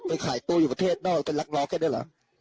มันขายตัวอยู่ประเทศนอกเป็นลักล้อแค่ด้วยเหรอ